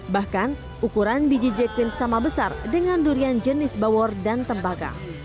bahkan ukuran biji jequine sama besar dengan durian jenis bawor dan tembaga